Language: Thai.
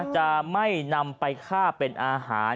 จะไม่นำไปฆ่าเป็นอาหาร